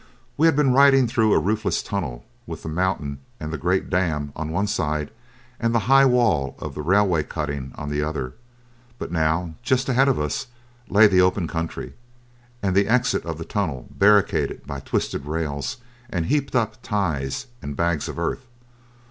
We had been riding through a roofless tunnel, with the mountain and the great dam on one side, and the high wall of the railway cutting on the other, but now just ahead of us lay the open country, and the exit of the tunnel barricaded by twisted rails and heaped up ties and bags of earth.